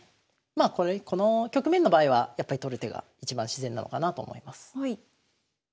まあこの局面の場合はやっぱり取る手がいちばん自然なのかなと思います。